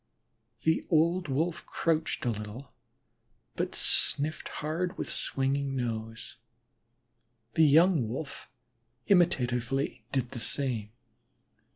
The old Wolf crouched a little but sniffed hard with swinging nose; the young Wolf imitatively did the same.